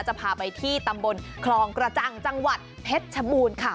จะพาไปที่ตำบลคลองกระจังจังหวัดเพชรชบูรณ์ค่ะ